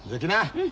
うん。